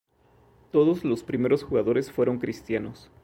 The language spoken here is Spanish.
Todos los primeros jugadores fueron Cristianos.